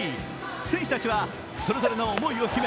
選手たちはそれぞれの思いを秘め